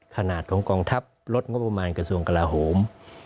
ขนาดของกองทัพลดงบประมาณกระทรวงกลาโหม